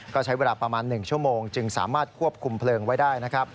ก็ใช้เวลาประมาณ๑ชั่วโมงจึงสามารถควบคุมเพลิงไว้ได้นะครับ